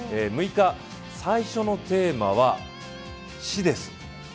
６日、最初のテーマは「死」です。